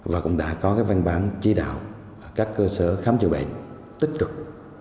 và cũng đã có văn bản chỉ đạo các cơ sở khám chữa bệnh tích cực